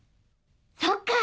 そっか！